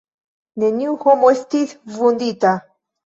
Neniu homo estis vundita.